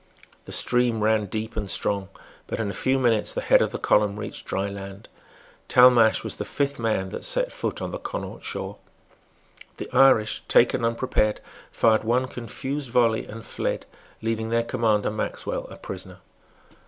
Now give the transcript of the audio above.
The stream ran deep and strong; but in a few minutes the head of the column reached dry land. Talmash was the fifth man that set foot on the Connaught shore. The Irish, taken unprepared, fired one confused volley and fled, leaving their commander, Maxwell, a prisoner.